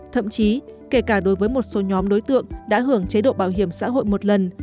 thậm chí kể cả đối với một số nhóm đối tượng đã hưởng chế độ bảo hiểm xã hội một lần